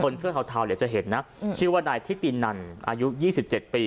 คนเสื้อเทาเทาเหลียดจะเห็นนะอืมชีวดายทิตินันอายุยี่สิบเจ็ดปี